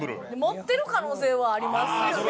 持ってる可能性はありますよね。